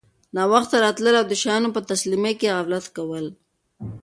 ناوخته راتلل او د شیانو په تسلیمۍ کي غفلت کول